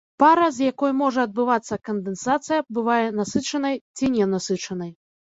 Пара, з якой можа адбывацца кандэнсацыя, бывае насычанай ці ненасычанай.